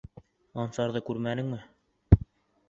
Ансарҙы күрмәнеңме?